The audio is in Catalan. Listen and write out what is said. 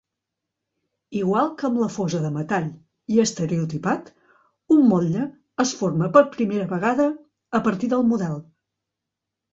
Igual que amb la fosa de metall i estereotipat, un motlle es forma per primera vegada a partir del model.